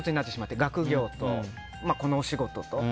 学業と、このお仕事と。